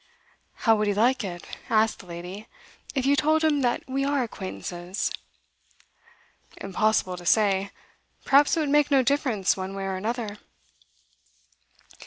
'How would he like it,' asked the lady, 'if you told him that we are acquaintances?' 'Impossible to say. Perhaps it would make no difference one way or another.